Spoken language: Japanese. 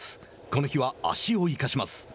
この日は足を生かします。